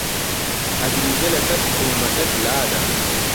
ئهگریجه له سهر کوڵمهکهت لاده